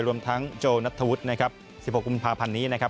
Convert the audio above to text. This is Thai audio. รวมทั้งโจนัทธวุฒินะครับ๑๖กุมภาพันธ์นี้นะครับ